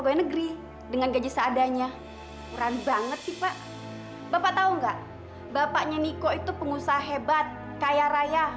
yang ini dua ratus lembar cepetan ya